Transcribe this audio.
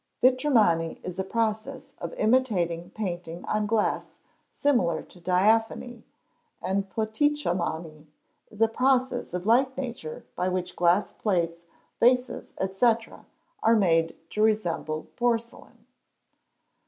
Vitremanie is a process of imitating painting on glass similar to Diaphanie, and Potichomanie is a process of like nature by which glass plates, vases, &c., are made to resemble porclain.